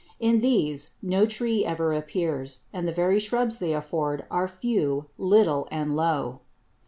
In these no Tree ever appears; and the very Shrubs they afford, are few, little, and low.